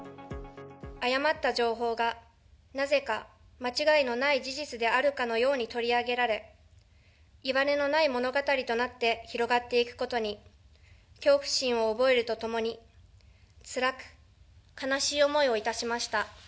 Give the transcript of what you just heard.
誤った情報が、なぜか間違いのない事実であるかのように取り上げられ、いわれのない物語となって広がっていくことに、恐怖心を覚えるとともに、つらく悲しい思いをいたしました。